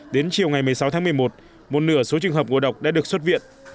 đến chiều ngày một mươi sáu tháng một mươi một một nửa số trường hợp ngộ độc đã được xuất viện